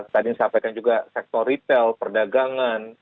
tadi saya sampaikan juga sektor retail perdagangan